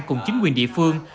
cùng chính quyền địa phương